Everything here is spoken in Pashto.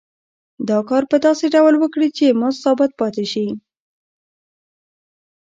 دا کار په داسې ډول وکړي چې مزد ثابت پاتې شي